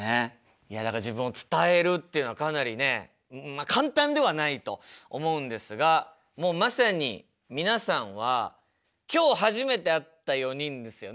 いやだから自分を伝えるっていうのはかなりね簡単ではないと思うんですがもうまさに皆さんは今日初めて会った４人ですよね？